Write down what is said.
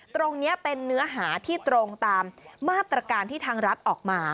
ตรงนี้เป็นเนื้อหาที่ตรงตามมาตรการที่ทางรัฐออกมา